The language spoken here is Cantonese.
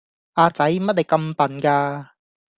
阿仔乜你咁笨架